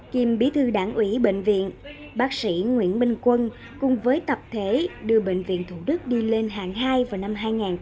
kiêm bí thư đảng ủy bệnh viện bác sĩ nguyễn minh quân cùng với tập thể đưa bệnh viện thủ đức đi lên hàng hai vào năm hai nghìn hai mươi